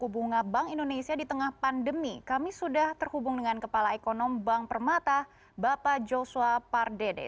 bunga bank indonesia di tengah pandemi kami sudah terhubung dengan kepala ekonom bank permata bapak joshua pardede